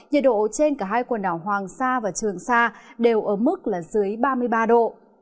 nhiệt độ trên cả hai quần đảo hoàng sa và trường sa đều ở mức là dưới ba mươi ba độ